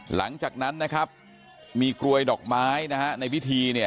หลังจากนั้นนะครับมีกรวยดอกไม้ในพิธี